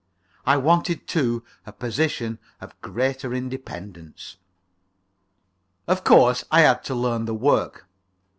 I wanted too, a position of greater independence. Of course, I had to learn the work.